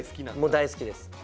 もう大好きです。